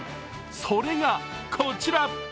それが、こちら。